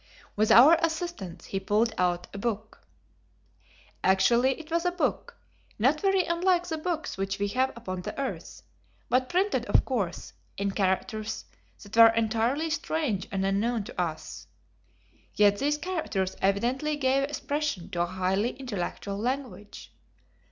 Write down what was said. With our assistance he pulled out a book! Actually, it was a book, not very unlike the books which we have upon the earth, but printed, of course, in characters that were entirely strange and unknown to us. Yet these characters evidently gave expression to a highly intellectual language.